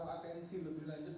makanya sih lebih lanjut